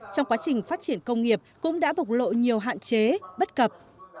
trong quá trình phát triển công nghiệp cũng đã bộc lộ nhiều hạn chế bất cập